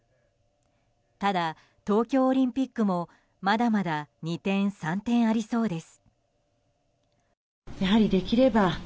ただ、東京オリンピックもまだまだ二転三転ありそうです。